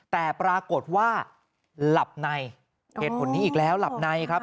แต่ปรากฏว่าหลับในเหตุผลนี้อีกแล้วหลับในครับ